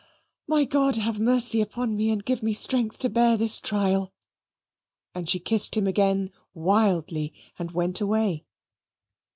my God! have mercy upon me, and give me strength to bear this trial"; and she kissed him again wildly and went away.